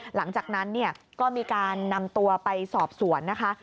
หลังจากนั้นเนี่ยก็มีการนำตัวไปสอบสวนนะคะ